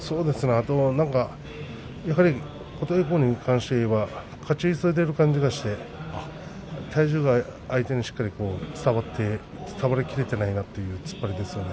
あとはやはり琴恵光に関していえば勝ち急いだ感じがして体重が相手にしっかり伝わり切れていないという突っ張りですね。